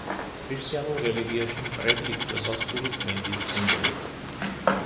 ქრისტიანულ რელიგიაში მტრედი ითვლება სული წმინდის სიმბოლოდ.